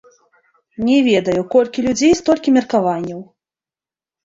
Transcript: Не ведаю, колькі людзей, столькі меркаванняў.